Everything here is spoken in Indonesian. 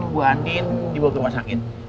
bu adin dibawa ke rumah sakit